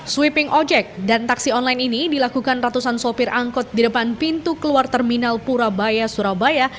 sweeping ojek dan taksi online ini dilakukan ratusan sopir angkot di depan pintu keluar terminal purabaya surabaya